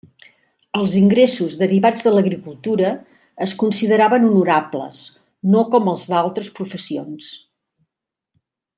Els ingressos derivats de l'agricultura es consideraven honorables, no com els d'altres professions.